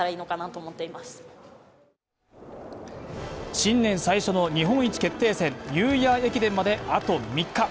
新年最初の日本一決定戦、ニューイヤー駅伝まであと３日。